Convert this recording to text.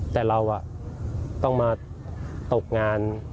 แต่เราต้องมาตกงาน